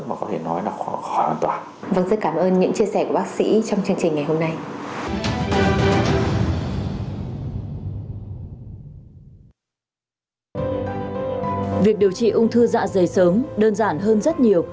và có thể nói là khó hoàn toàn